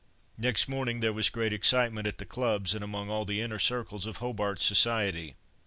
Next morning there was great excitement at the clubs, and among all the inner circles of Hobart society.